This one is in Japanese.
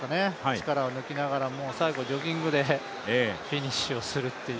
力を抜きながら最後、ジョギングでフィニッシュをするという。